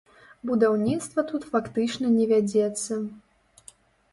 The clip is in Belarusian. Будаўніцтва тут фактычна не вядзецца.